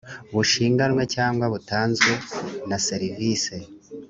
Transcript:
bushinganwe cyangwa butanzwe na serivisi